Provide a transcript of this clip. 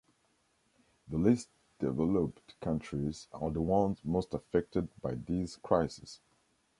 The least developed countries are the ones most affected by these crises.